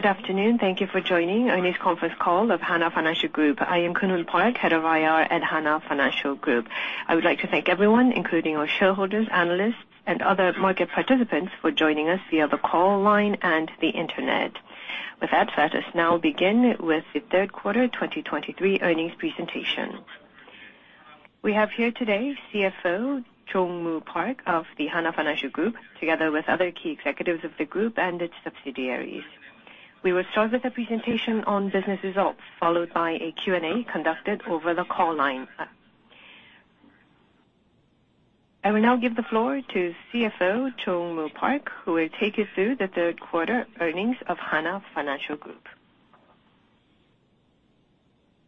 Good afternoon. Thank you for joining our news conference call of Hana Financial Group. I am Geun-Hoon Park, head of IR at Hana Financial Group. I would like to thank everyone, including our shareholders, analysts, and other market participants, for joining us via the call line and the internet. With that, let us now begin with the third quarter 2023 earnings presentation. We have here today, CFO Jong-moo Park of the Hana Financial Group, together with other key executives of the group and its subsidiaries. We will start with a presentation on business results, followed by a Q&A conducted over the call line. I will now give the floor to CFO Jong-moo Park, who will take you through the third quarter earnings of Hana Financial Group.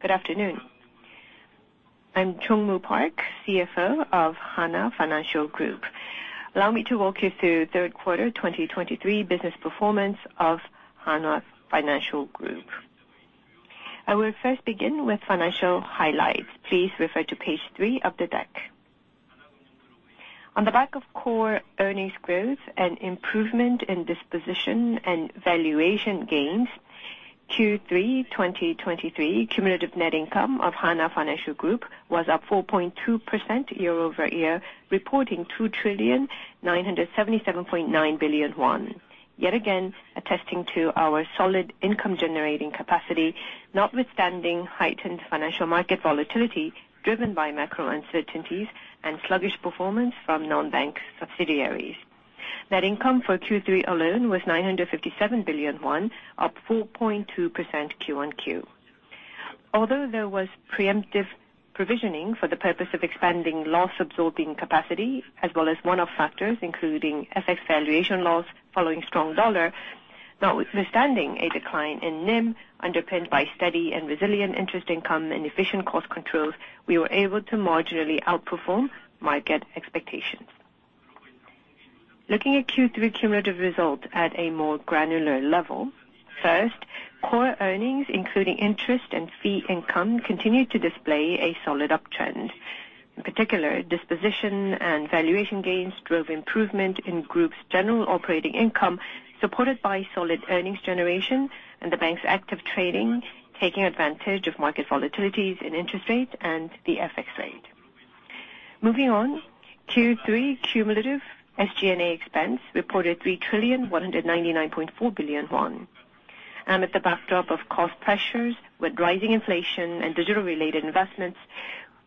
Good afternoon. I'm Jong-moo Park, CFO of Hana Financial Group. Allow me to walk you through third quarter 2023 business performance of Hana Financial Group. I will first begin with financial highlights. Please refer to page 3 of the deck. On the back of core earnings growth and improvement in disposition and valuation gains, Q3 2023 cumulative net income of Hana Financial Group was up 4.2% year-over-year, reporting 2,977.9 billion won. Yet again, attesting to our solid income-generating capacity, notwithstanding heightened financial market volatility, driven by macro uncertainties and sluggish performance from non-bank subsidiaries. Net income for Q3 alone was 957 billion won, up 4.2% QoQ. Although there was preemptive provisioning for the purpose of expanding loss-absorbing capacity, as well as one-off factors, including FX valuation losses following strong dollar, notwithstanding a decline in NIM, underpinned by steady and resilient interest income and efficient cost controls, we were able to marginally outperform market expectations. Looking at Q3 cumulative results at a more granular level, first, core earnings, including interest and fee income, continued to display a solid uptrend. In particular, disposition and valuation gains drove improvement in group's general operating income, supported by solid earnings generation and the bank's active trading, taking advantage of market volatilities in interest rates and the FX rate. Moving on, Q3 cumulative SG&A expense reported 3,199.4 billion won. At the backdrop of cost pressures with rising inflation and digital-related investments,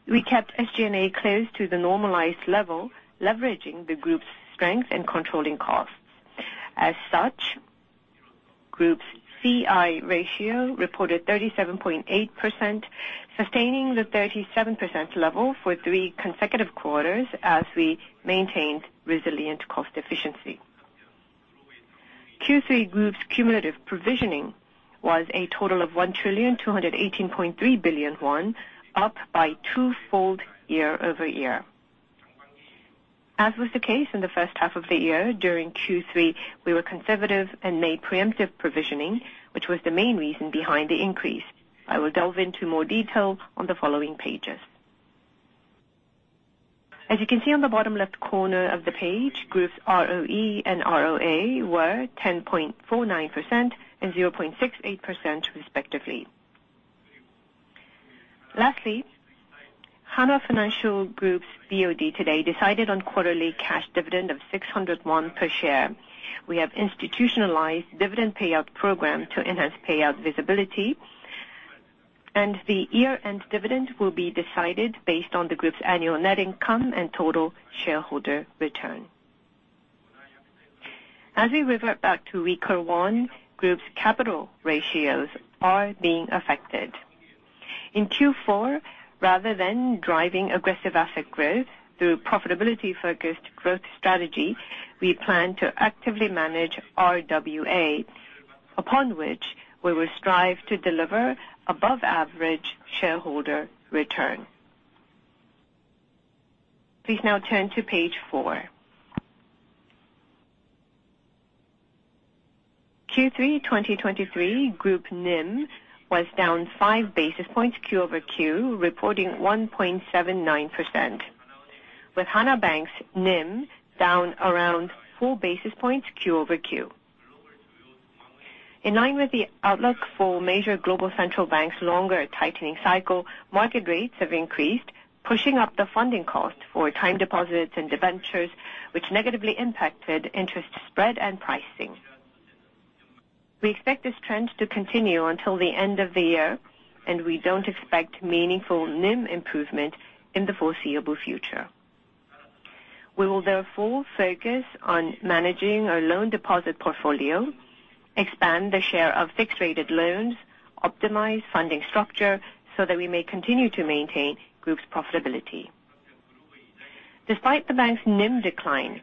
we kept SG&A close to the normalized level, leveraging the group's strength and controlling costs. As such, group's CI ratio reported 37.8%, sustaining the 37% level for 3 consecutive quarters as we maintained resilient cost efficiency. Q3 group's cumulative provisioning was a total of 1,218.3 billion won, up by 2-fold year-over-year. As was the case in the first half of the year, during Q3, we were conservative and made preemptive provisioning, which was the main reason behind the increase. I will delve into more detail on the following pages. As you can see on the bottom left corner of the page, group's ROE and ROA were 10.49% and 0.68%, respectively. Lastly, Hana Financial Group's BOD today decided on quarterly cash dividend of 600 per share. We have institutionalized dividend payout program to enhance payout visibility, and the year-end dividend will be decided based on the group's annual net income and total shareholder return. As we revert back to weaker won, group's capital ratios are being affected. In Q4, rather than driving aggressive asset growth through profitability-focused growth strategy, we plan to actively manage RWA, upon which we will strive to deliver above average shareholder return. Please now turn to page four. Q3 2023, group NIM was down 5 basis points quarter-over-quarter, reporting 1.79%, with Hana Bank's NIM down around 4 basis points, quarter-over-quarter. In line with the outlook for major global central banks' longer tightening cycle, market rates have increased, pushing up the funding cost for time deposits and debentures, which negatively impacted interest spread and pricing. We expect this trend to continue until the end of the year, and we don't expect meaningful NIM improvement in the foreseeable future. We will therefore focus on managing our loan deposit portfolio, expand the share of fixed-rated loans, optimize funding structure so that we may continue to maintain group's profitability. Despite the bank's NIM decline,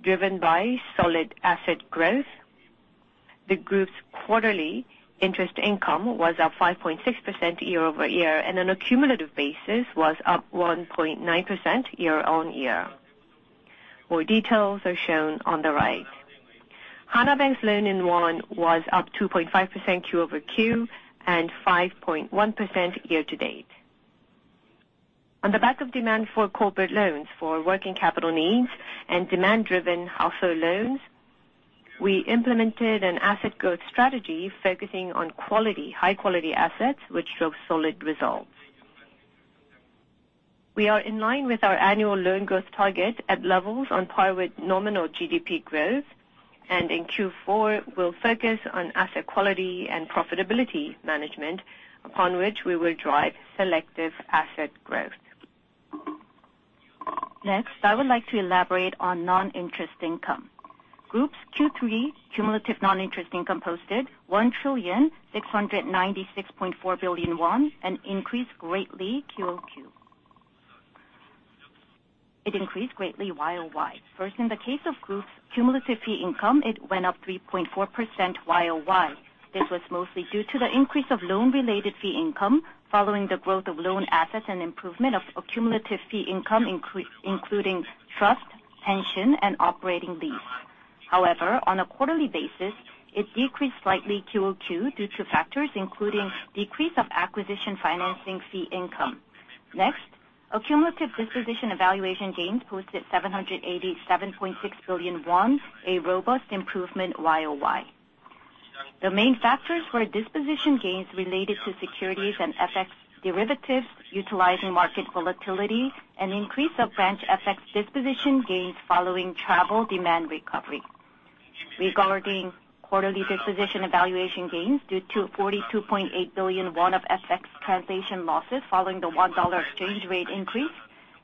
driven by solid asset growth, the group's quarterly interest income was up 5.6% year-over-year, and on a cumulative basis was up 1.9% year-on-year. More details are shown on the right. Hana Bank's loans in won was up 2.5% Q-over-Q, and 5.1% year to date. On the back of demand for corporate loans, for working capital needs and [demand-driven also loans], we implemented an asset growth strategy focusing on quality, high-quality assets, which drove solid results. We are in line with our annual loan growth target at levels on par with nominal GDP growth, and in Q4, we'll focus on asset quality and profitability management, upon which we will drive selective asset growth. Next, I would like to elaborate on non-interest income. Group's Q3 cumulative non-interest income posted 1,696.4 billion won, and increased greatly QOQ. It increased greatly YOY. First, in the case of group's cumulative fee income, it went up 3.4% YoY. This was mostly due to the increase of loan-related fee income, following the growth of loan assets and improvement of accumulative fee income, including trust, pension, and operating lease. However, on a quarterly basis, it decreased slightly QoQ due to factors including decrease of acquisition financing fee income. Next, accumulative disposition valuation gains posted 787.6 billion won, a robust improvement YoY. The main factors were disposition gains related to securities and FX derivatives, utilizing market volatility and increase of branch FX disposition gains following travel demand recovery. Regarding quarterly disposition valuation gains due to 42.8 billion won of FX translation losses, following the won-dollar exchange rate increase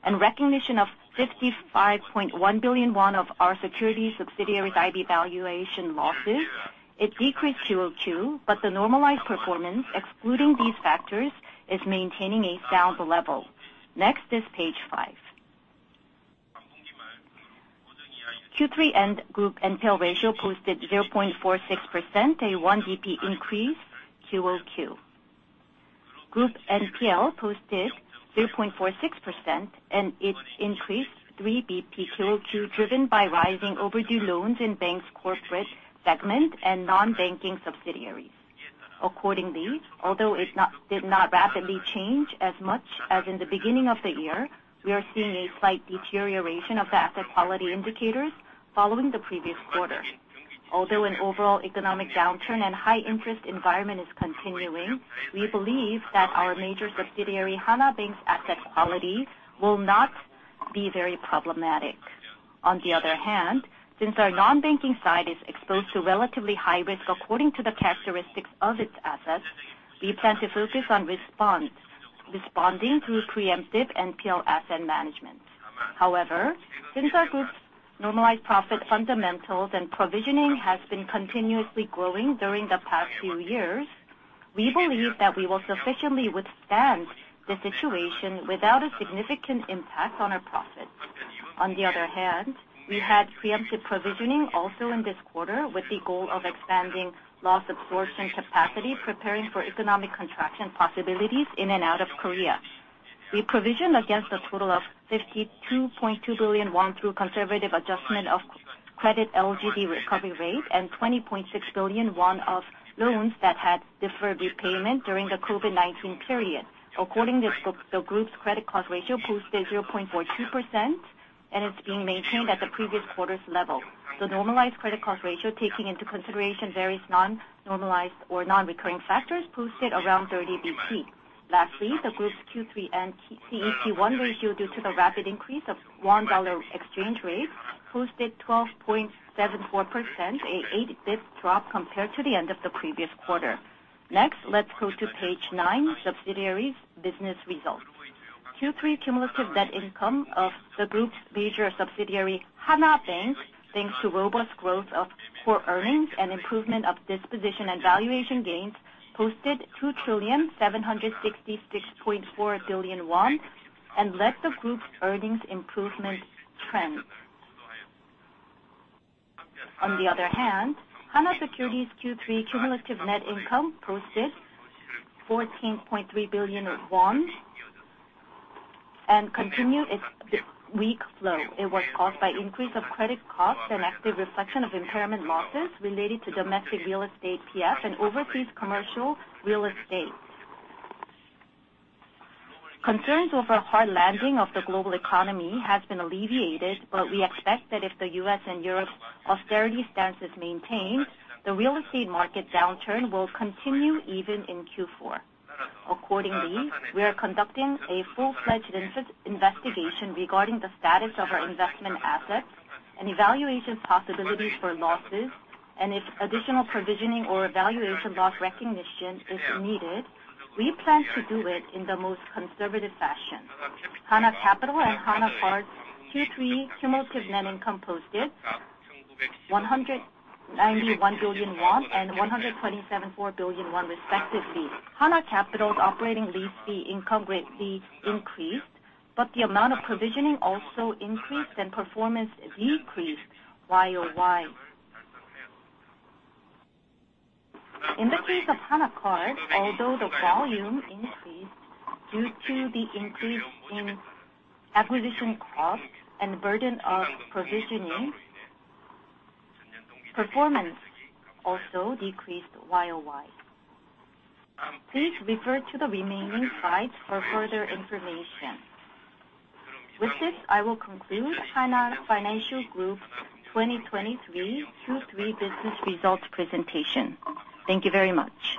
and recognition of 55.1 billion won of our security subsidiaries IB valuation losses, it decreased QoQ, but the normalized performance, excluding these factors, is maintaining a sound level. Next is page five. Q3 end, group NPL ratio posted 0.46%, a 1 BP increase QoQ. Group NPL posted 0.46%, and it increased 3 basis points quarter-over-quarter, driven by rising overdue loans in bank's corporate segment and non-banking subsidiaries. Accordingly, although it did not rapidly change as much as in the beginning of the year, we are seeing a slight deterioration of the asset quality indicators following the previous quarter. Although an overall economic downturn and high interest environment is continuing, we believe that our major subsidiary, Hana Bank's asset quality, will not be very problematic. On the other hand, since our non-banking side is exposed to relatively high risk according to the characteristics of its assets, we plan to focus on response, responding through preemptive NPL asset management. However, since our group's normalized profit fundamentals and provisioning has been continuously growing during the past few years, we believe that we will sufficiently withstand the situation without a significant impact on our profits. On the other hand, we had preemptive provisioning also in this quarter, with the goal of expanding loss absorption capacity, preparing for economic contraction possibilities in and out of Korea. We provisioned against a total of 52.2 billion won through conservative adjustment of credit LGD recovery rate and 20.6 billion won of loans that had deferred repayment during the COVID-19 period. Accordingly, the group's credit cost ratio posted 0.42%, and it's being maintained at the previous quarter's level. The normalized credit cost ratio, taking into consideration various non-normalized or non-recurring factors, posted around 30 basis points. Lastly, the group's Q3 end CET1 ratio, due to the rapid increase of the USD exchange rate, posted 12.74%, an 8 basis points drop compared to the end of the previous quarter. Next, let's go to page nine, subsidiaries business results. Q3 cumulative net income of the group's major subsidiary, Hana Bank, thanks to robust growth of core earnings and improvement of disposition and valuation gains, posted 2,766.4 billion won, and led the group's earnings improvement trend. On the other hand, Hana Securities Q3 cumulative net income posted KRW 14.3 billion and continued its weak flow. It was caused by increase of credit costs and active reflection of impairment losses related to domestic real estate PF and overpriced commercial real estate. Concerns over a hard landing of the global economy has been alleviated, but we expect that if the U.S. and Europe austerity stance is maintained, the real estate market downturn will continue even in Q4. Accordingly, we are conducting a full-fledged on-site investigation regarding the status of our investment assets and evaluation possibilities for losses, and if additional provisioning or evaluation loss recognition is needed, we plan to do it in the most conservative fashion. Hana Capital and Hana Card's Q3 cumulative net income posted 191 billion won and 127.4 billion won, respectively. Hana Capital's operating lease fee income greatly increased, but the amount of provisioning also increased, and performance decreased YoY. In the case of Hana Card, although the volume increased due to the increase in acquisition cost and the burden of provisioning. Performance also decreased YoY. Please refer to the remaining slides for further information. With this, I will conclude Hana Financial Group 2023 Q3 business results presentation. Thank you very much.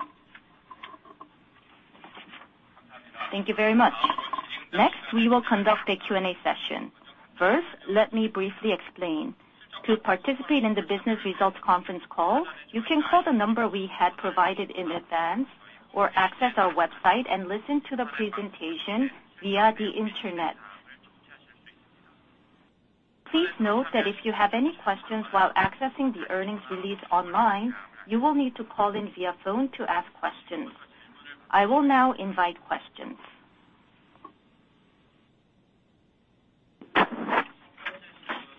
Thank you very much. Next, we will conduct a Q&A session. First, let me briefly explain. To participate in the business results conference call, you can call the number we had provided in advance or access our website and listen to the presentation via the internet. Please note that if you have any questions while accessing the earnings release online, you will need to call in via phone to ask questions. I will now invite questions.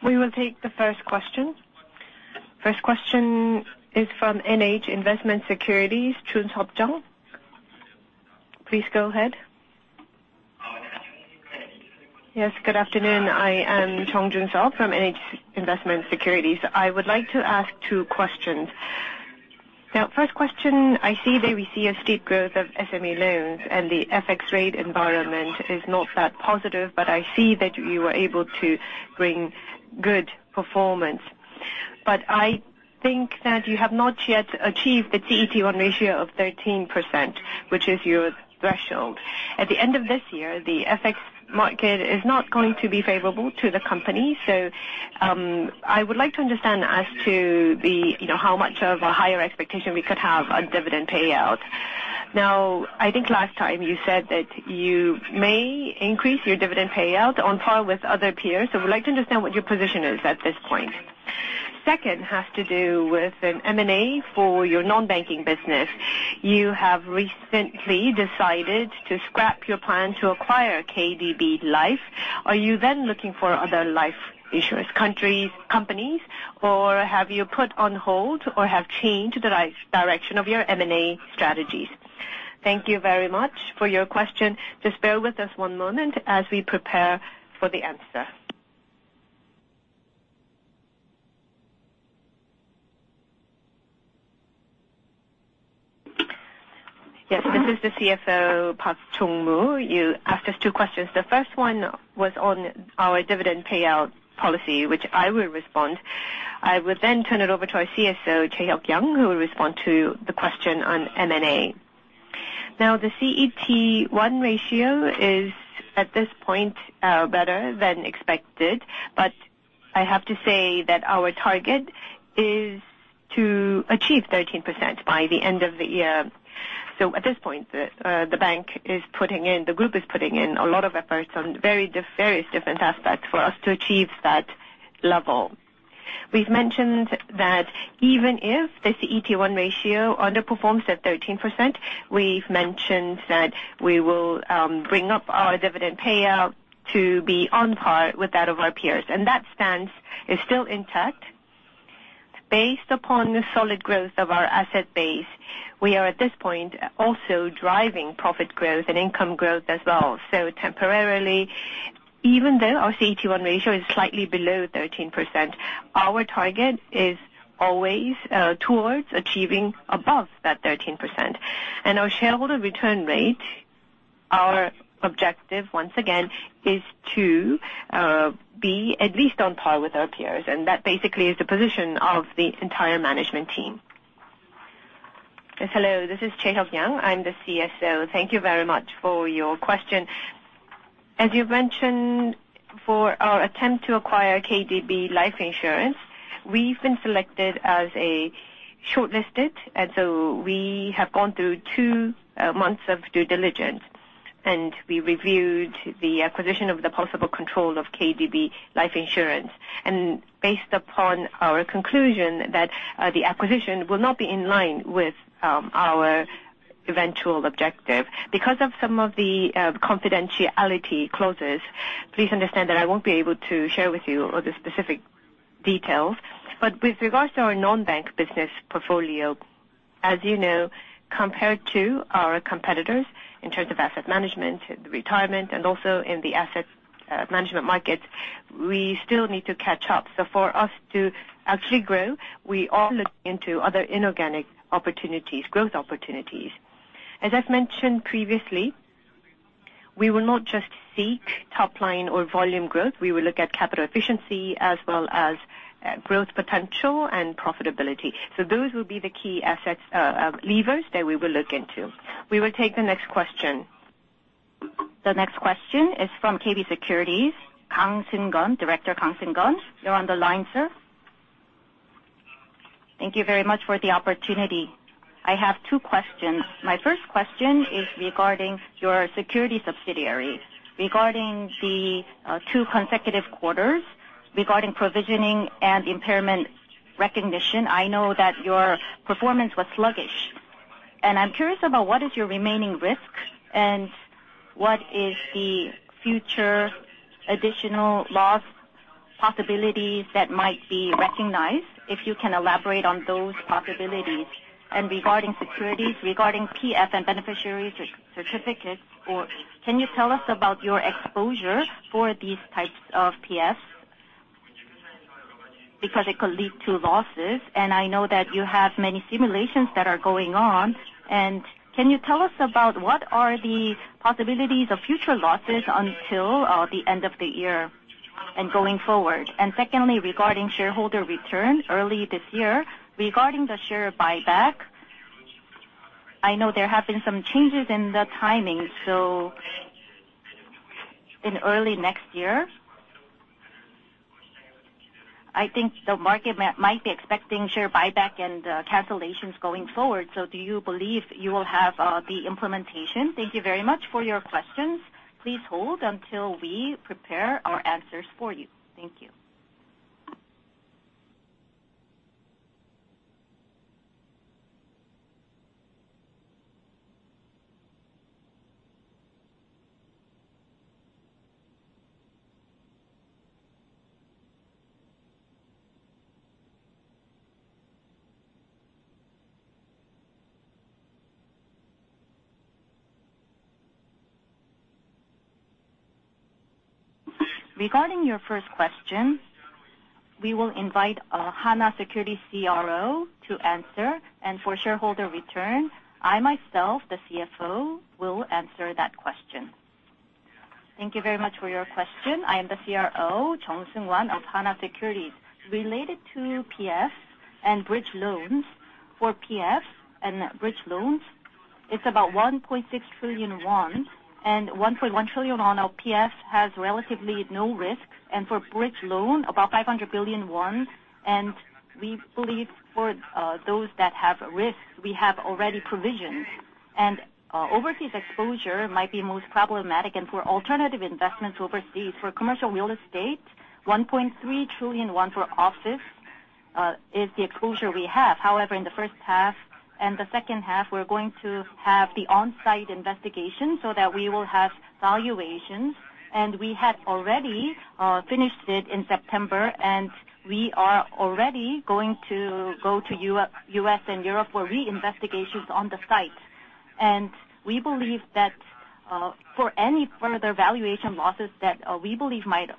We will take the first question. First question is from NH Investment & Securities, Jun-sup Jeong. Please go ahead. Yes, good afternoon. I am Jun-sup Jeong from NH Investment & Securities. I would like to ask two questions. Now, first question, I see that we see a steep growth of SME loans, and the FX rate environment is not that positive, but I see that you were able to bring good performance. But I think that you have not yet achieved the CET1 ratio of 13%, which is your threshold. At the end of this year, the FX market is not going to be favorable to the company, so, I would like to understand as to the, you know, how much of a higher expectation we could have on dividend payout. Now, I think last time you said that you may increase your dividend payout on par with other peers. So we'd like to understand what your position is at this point. Second, has to do with an M&A for your non-banking business. You have recently decided to scrap your plan to acquire KDB Life. Are you then looking for other life insurance countries, companies, or have you put on hold or have changed the direction of your M&A strategies? Thank you very much for your question. Just bear with us one moment as we prepare for the answer. Yes, this is the CFO, Jong-moo Park. You asked us two questions. The first one was on our dividend payout policy, which I will respond. I will then turn it over to our CSO, Yang Choi, who will respond to the question on M&A. Now, the CET1 ratio is, at this point, better than expected, but I have to say that our target is to achieve 13% by the end of the year. So at this point, the bank is putting in, the group is putting in a lot of efforts on various different aspects for us to achieve that level. We've mentioned that even if the CET1 ratio underperforms at 13%, we've mentioned that we will bring up our dividend payout to be on par with that of our peers, and that stance is still intact. Based upon the solid growth of our asset base, we are, at this point, also driving profit growth and income growth as well. So temporarily, even though our CET1 ratio is slightly below 13%, our target is always towards achieving above that 13%. And our shareholder return rate, our objective, once again, is to be at least on par with our peers, and that basically is the position of the entire management team. Hello, this is Jae-yoon Yang, I'm the CSO. Thank you very much for your question. As you mentioned, for our attempt to acquire KDB Life Insurance, we've been selected as a shortlisted, and so we have gone through two months of due diligence, and we reviewed the acquisition of the possible control of KDB Life Insurance. Based upon our conclusion, that, the acquisition will not be in line with, our eventual objective. Because of some of the, confidentiality clauses, please understand that I won't be able to share with you all the specific details. But with regards to our non-bank business portfolio, as you know, compared to our competitors in terms of asset management, retirement, and also in the asset, management markets, we still need to catch up. So for us to actually grow, we are looking into other inorganic opportunities, growth opportunities. As I've mentioned previously, we will not just seek top line or volume growth. We will look at capital efficiency as well as, growth potential and profitability. So those will be the key assets, levers that we will look into. We will take the next question. The next question is from KB Securities, Seung-gun Kang. Director Seung-gun Kang, you're on the line, sir. Thank you very much for the opportunity. I have two questions. My first question is regarding your securities subsidiaries. Regarding the two consecutive quarters, regarding provisioning and impairment recognition, I know that your performance was sluggish, and I'm curious about what is your remaining risk, and what is the future additional loss possibilities that might be recognized, if you can elaborate on those possibilities? And regarding securities, regarding PF and beneficiary certificates, or can you tell us about your exposure for these types of PFs? Because it could lead to losses, and I know that you have many simulations that are going on. Can you tell us about what are the possibilities of future losses until the end of the year and going forward? Secondly, regarding shareholder return, early this year, regarding the share buyback, I know there have been some changes in the timing, so in early next year? I think the market might be expecting share buyback and cancellations going forward. Do you believe you will have the implementation? Thank you very much for your questions. Please hold until we prepare our answers for you. Thank you. Regarding your first question, we will invite Hana Securities CRO to answer, and for shareholder return, I myself, the CFO, will answer that question. Thank you very much for your question. I am the CRO, Seung-Hwa Jung of Hana Securities. Related to PF and bridge loans, for PF and bridge loans, it's about 1.6 trillion won, and 1.1 trillion won of PF has relatively no risk. For bridge loan, about 500 billion won, and we believe for those that have risk, we have already provisioned. Overseas exposure might be most problematic, and for alternative investments overseas, for commercial real estate, 1.3 trillion won for offices is the exposure we have. However, in the first half and the second half, we're going to have the on-site investigation so that we will have valuations. And we had already finished it in September, and we are already going to go to U.S. and Europe for re-investigations on the site. And we believe that, for any further valuation losses that, we believe might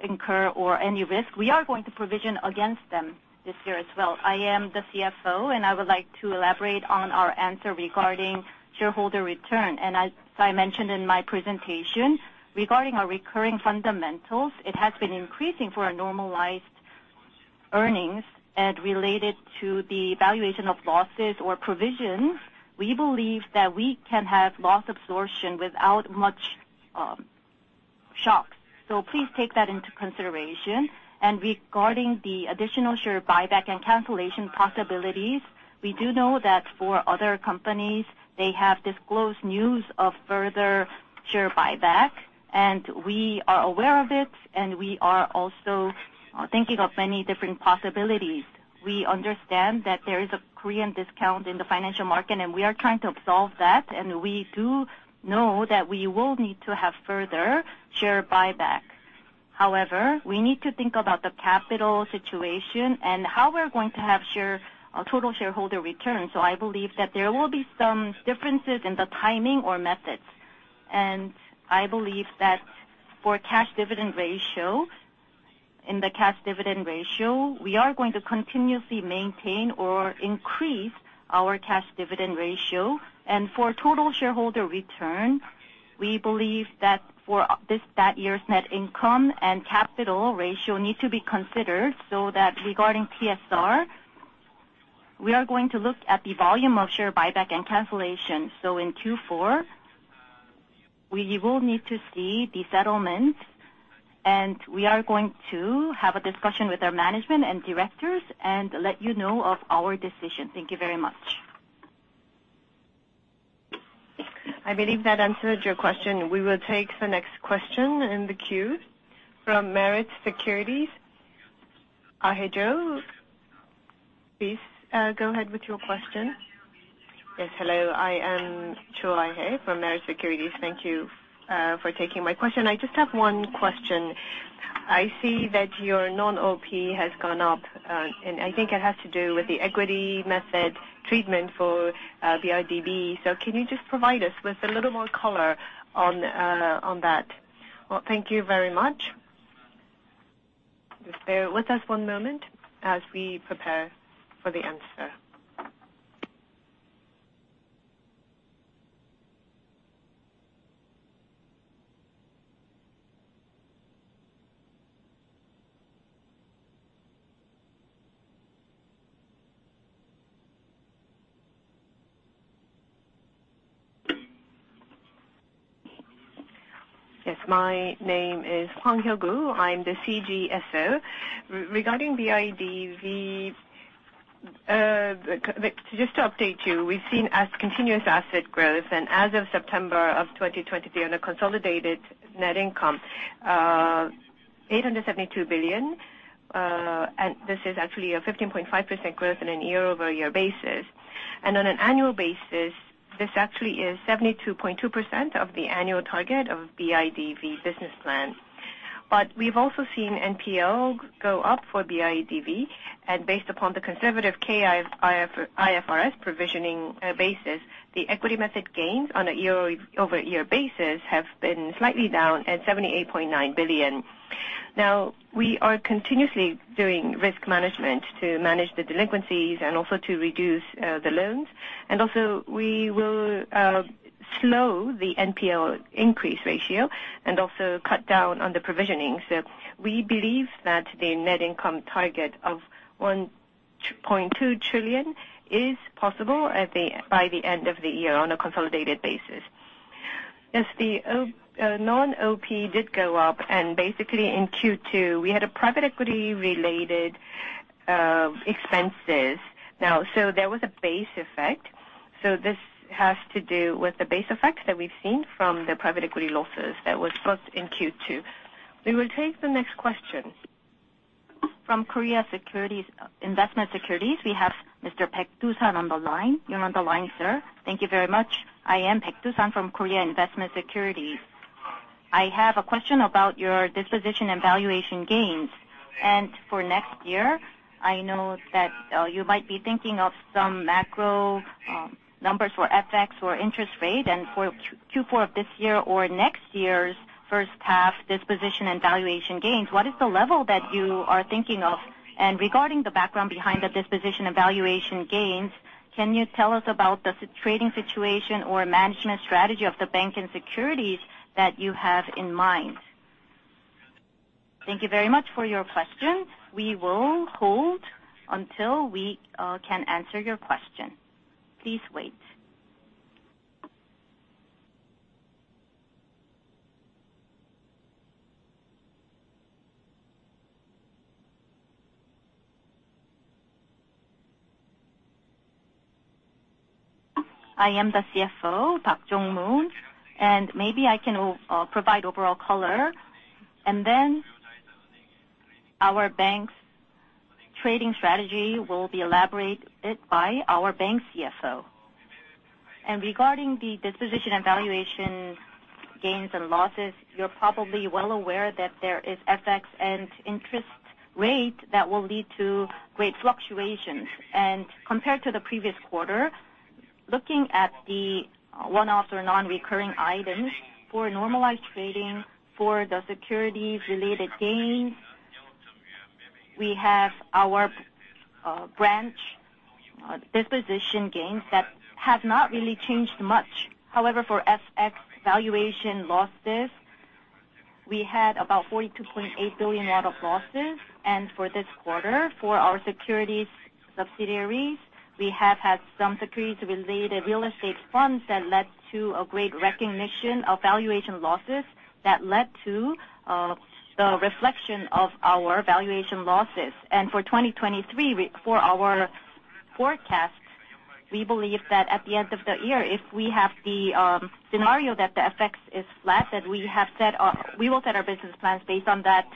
incur or any risk, we are going to provision against them this year as well. I am the CFO, and I would like to elaborate on our answer regarding shareholder return. And as I mentioned in my presentation, regarding our recurring fundamentals, it has been increasing for our normalized earnings. And related to the valuation of losses or provisions, we believe that we can have loss absorption without much shocks. So please take that into consideration. Regarding the additional share buyback and cancellation possibilities, we do know that for other companies, they have disclosed news of further share buyback, and we are aware of it, and we are also thinking of many different possibilities. We understand that there is a Korean discount in the financial market, and we are trying to absolve that, and we do know that we will need to have further share buyback. However, we need to think about the capital situation and how we're going to have share buyback, total shareholder return. So I believe that there will be some differences in the timing or methods, and I believe that for cash dividend ratio, in the cash dividend ratio, we are going to continuously maintain or increase our cash dividend ratio. For total shareholder return, we believe that for this, that year's net income and capital ratio need to be considered. So that regarding TSR, we are going to look at the volume of share buyback and cancellation. In 2024, we will need to see the settlement, and we are going to have a discussion with our management and directors and let you know of our decision. Thank you very much. I believe that answered your question. We will take the next question in the queue from Meritz Securities. Ah-hae Cho, please, go ahead with your question. Yes, hello, I am Ah-hae Cho from Meritz Securities. Thank you for taking my question. I just have one question. I see that your non-OP has gone up, and I think it has to do with the equity method treatment for BIDV. So can you just provide us with a little more color on that? Well, thank you very much. Just bear with us one moment as we prepare for the answer. Yes, my name is Hyo-goo Hwang. I'm the CGSO. Regarding BIDV, just to update you, we've seen continuous asset growth, and as of September of 2023, on a consolidated net income, 872 billion, and this is actually a 15.5% growth on a year-over-year basis. And on an annual basis, this actually is 72.2% of the annual target of BIDV business plan. But we've also seen NPL go up for BIDV. And based upon the conservative K-IFRS provisioning basis, the equity method gains on a year-over-year basis have been slightly down at 78.9 billion. Now, we are continuously doing risk management to manage the delinquencies and also to reduce the loans. And also, we will slow the NPL increase ratio and also cut down on the provisionings. So we believe that the net income target of 1.2 trillion is possible by the end of the year on a consolidated basis. Yes, the non-OP did go up, and basically in Q2, we had a private equity related expenses. Now, so there was a base effect. So this has to do with the base effects that we've seen from the private equity losses that was booked in Q2. We will take the next question. From Korea Investment & Securities, we have Mr. Do-san Baek on the line. You're on the line, sir. Thank you very much. I am Do-san Baek from Korea Investment & Securities. I have a question about your disposition and valuation gains. And for next year, I know that you might be thinking of some macro numbers for FX or interest rate and for Q4 of this year or next year's first half disposition and valuation gains. What is the level that you are thinking of? And regarding the background behind the disposition and valuation gains, can you tell us about the trading situation or management strategy of the bank and securities that you have in mind? Thank you very much for your question. We will hold until we can answer your question. Please wait. I am the CFO, Jong-moo Park, and maybe I can provide overall color, and then our bank's trading strategy will be elaborated by our bank's CFO. Regarding the disposition and valuation gains and losses, you're probably well aware that there is FX and interest rate that will lead to great fluctuations. Compared to the previous quarter, looking at the one-off or non-recurring items for normalized trading for the securities-related gains, we have our branch disposition gains that have not really changed much. However, for FX valuation losses, we had about 42.8 billion of losses. For this quarter, for our securities subsidiaries, we have had some securities-related real estate funds that led to a great recognition of valuation losses that led to the reflection of our valuation losses. For 2023, we, for our forecast, we believe that at the end of the year, if we have the scenario that the FX is flat, that we have set our—we will set our business plans based on that.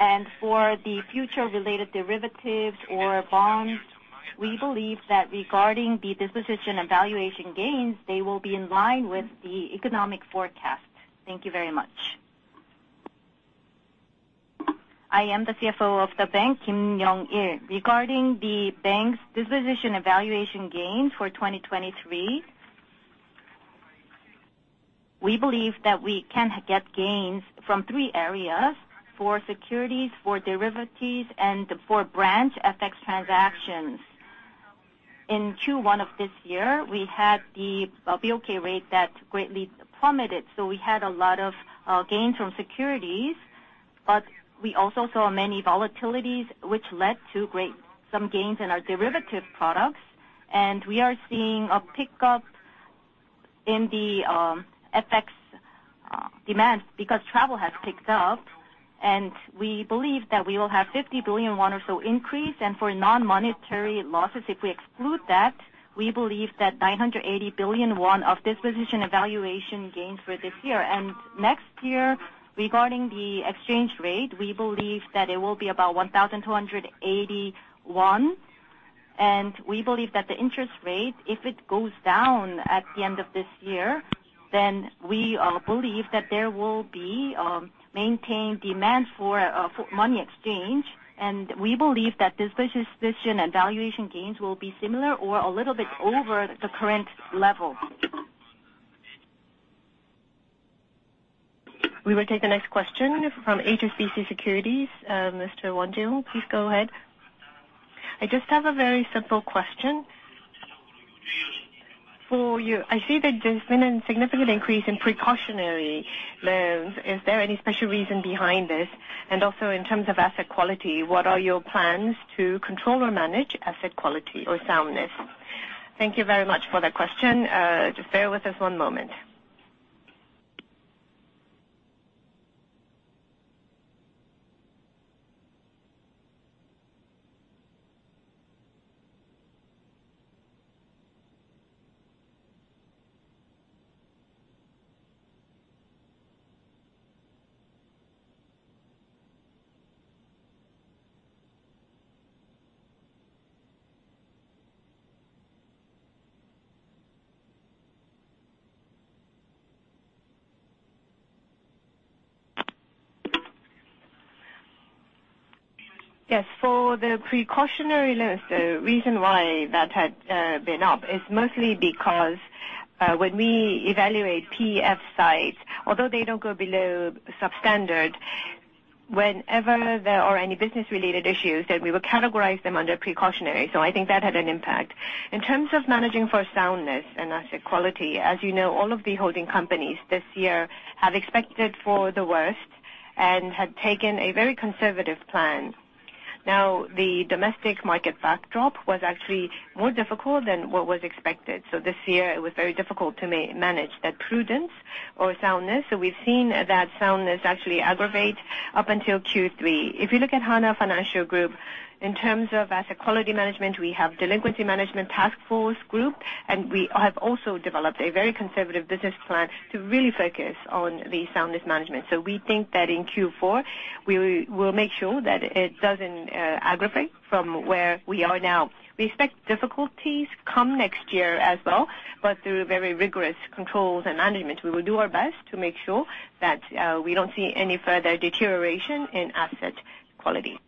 And for the future-related derivatives or bonds, we believe that regarding the disposition and valuation gains, they will be in line with the economic forecast. Thank you very much. I am the CFO of the bank, Young-il Kim. Regarding the bank's disposition and valuation gains for 2023, we believe that we can get gains from three areas, for securities, for derivatives, and for branch FX transactions. In Q1 of this year, we had the BOK rate that greatly plummeted, so we had a lot of gains from securities, but we also saw many volatilities, which led to some gains in our derivative products. We are seeing a pickup in the FX demand because travel has picked up, and we believe that we will have 50 billion won or so increase. For non-monetary losses, if we exclude that, we believe that 980 billion won of disposition and valuation gains for this year. Next year, regarding the exchange rate, we believe that it will be about 1,280 won, and we believe that the interest rate, if it goes down at the end of this year, then we believe that there will be maintained demand for money exchange. We believe that disposition and valuation gains will be similar or a little bit over the current level. We will take the next question from HSBC Securities. Mr. [Wonjung], please go ahead. I just have a very simple question. For you, I see that there's been a significant increase in precautionary loans. Is there any special reason behind this? And also, in terms of asset quality, what are your plans to control or manage asset quality or soundness? Thank you very much for that question. Just bear with us one moment. Yes, for the precautionary list, the reason why that had been up is mostly because when we evaluate PF sites, although they don't go below substandard, whenever there are any business-related issues, then we will categorize them under precautionary. So I think that had an impact. In terms of managing for soundness and asset quality, as you know, all of the holding companies this year have expected for the worst and had taken a very conservative plan. Now, the domestic market backdrop was actually more difficult than what was expected, so this year it was very difficult to manage that prudence or soundness. So we've seen that soundness actually aggravate up until Q3. If you look at Hana Financial Group, in terms of asset quality management, we have delinquency management task force group, and we have also developed a very conservative business plan to really focus on the soundness management. So we think that in Q4, we will make sure that it doesn't aggravate from where we are now. We expect difficulties come next year as well, but through very rigorous controls and management, we will do our best to make sure that we don't see any further deterioration in asset quality.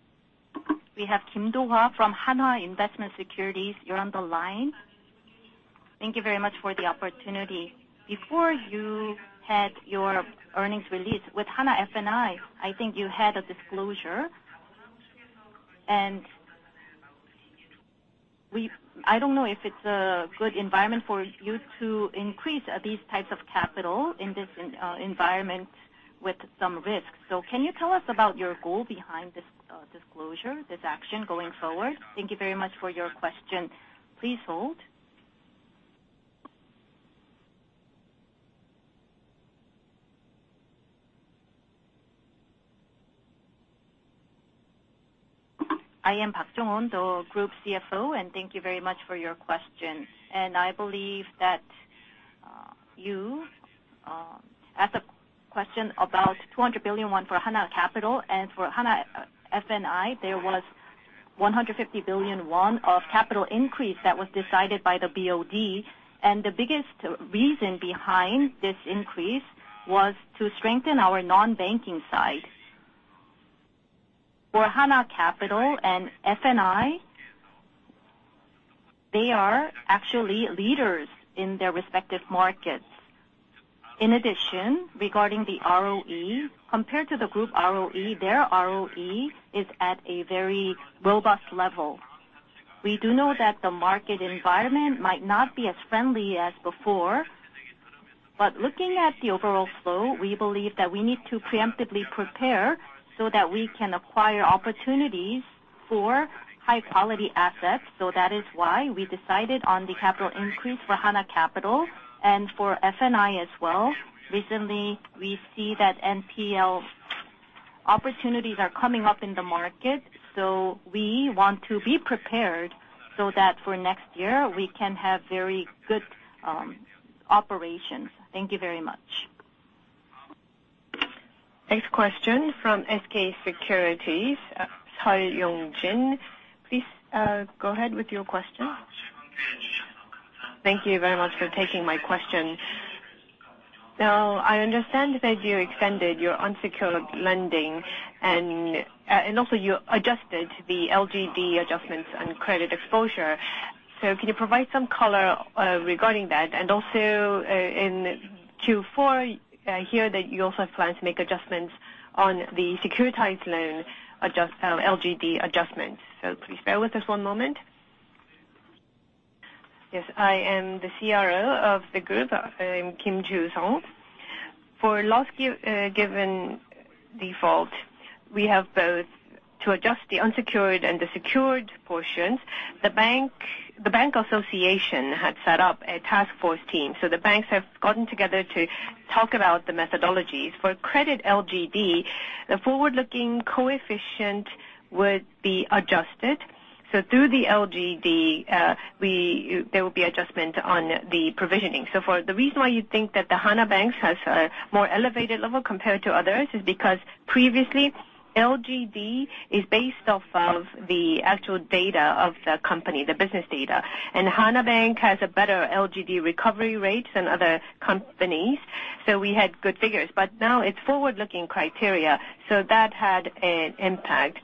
We have Do-ha Kim from Hanwha Investment Securities. You're on the line. Thank you very much for the opportunity. Before you had your earnings release with Hana F&I, I think you had a disclosure, and we, I don't know if it's a good environment for you to increase, these types of capital in this, environment with some risks. So can you tell us about your goal behind this, disclosure, this action going forward? Thank you very much for your question. Please hold. I am Jong-moo Park, the Group CFO, and thank you very much for your question. I believe that, you, asked a question about 200 billion won for Hana Capital and for Hana F&I, there was 150 billion won of capital increase that was decided by the BOD. The biggest reason behind this increase was to strengthen our non-banking side. For Hana Capital and F&I, they are actually leaders in their respective markets. In addition, regarding the ROE, compared to the group ROE, their ROE is at a very robust level. We do know that the market environment might not be as friendly as before, but looking at the overall flow, we believe that we need to preemptively prepare so that we can acquire opportunities for high-quality assets. So that is why we decided on the capital increase for Hana Capital and for F&I as well. Recently, we see that NPL opportunities are coming up in the market, so we want to be prepared so that for next year, we can have very good operations. Thank you very much. Next question from SK Securities, Seol Yong-jin, please, go ahead with your question. Thank you very much for taking my question. Now, I understand that you extended your unsecured lending and, and also you adjusted the LGD adjustments and credit exposure. So can you provide some color, regarding that? And also, in Q4, I hear that you also have plans to make adjustments on the securitized loan LGD adjustments. So please bear with us one moment. Yes, I am the CRO of the group. I'm Joo-sung Kim. For loss given default, we have both to adjust the unsecured and the secured portions. The bank association had set up a task force team, so the banks have gotten together to talk about the methodologies. For credit LGD, the forward-looking coefficient would be adjusted, so through the LGD, there will be adjustment on the provisioning. So for the reason why you think that the Hana Bank has a more elevated level compared to others is because previously, LGD is based off of the actual data of the company, the business data, and Hana Bank has a better LGD recovery rate than other companies, so we had good figures. But now it's forward-looking criteria, so that had an impact.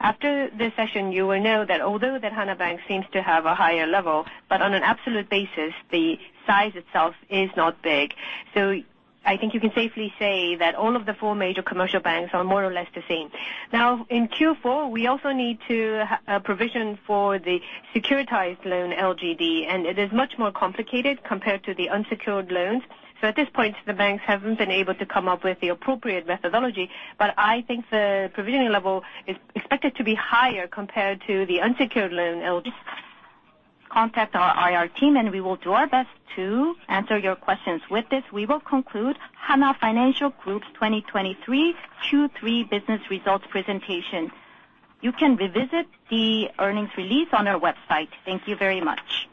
After this session, you will know that although that Hana Bank seems to have a higher level, but on an absolute basis, the size itself is not big. So I think you can safely say that all of the four major commercial banks are more or less the same. Now, in Q4, we also need to provision for the securitized loan LGD, and it is much more complicated compared to the unsecured loans. At this point, the banks haven't been able to come up with the appropriate methodology, but I think the provisioning level is expected to be higher compared to the unsecured loan LGD. Contact our IR team, and we will do our best to answer your questions. With this, we will conclude Hana Financial Group's 2023 Q3 business results presentation. You can revisit the earnings release on our website. Thank you very much.